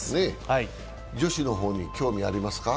女子の方に興味はありますか？